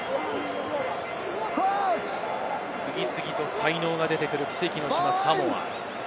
次々と才能が出てくる奇跡の島・サモア。